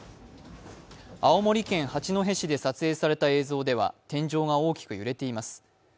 青森県八戸市で撮影された映像では、天井が大きく揺れています。